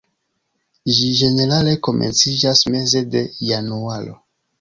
Ĝi ĝenerale komenciĝas meze de januaro.